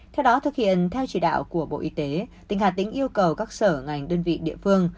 theo đó thực hiện theo chỉ đạo của bộ y tế tỉnh hà tĩnh yêu cầu các sở ngành đơn vị địa phương